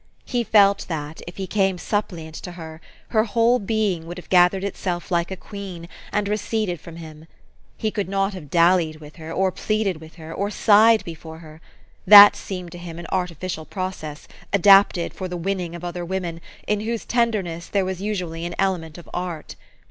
He felt, that, if he came suppliant to her, her whole being would have gathered itself like a queen, and receded from him. He could not have dallied with her, or pleaded with her, or sighed before her : that seemed to him an artificial process, adapted for the winning of other women, in whose tenderness there was usually an element of art.